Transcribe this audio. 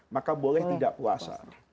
maka boleh tidak puasa